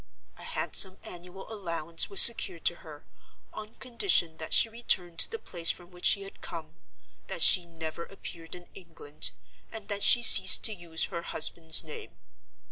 A handsome annual allowance was secured to her, on condition that she returned to the place from which she had come; that she never appeared in England; and that she ceased to use her husband's name.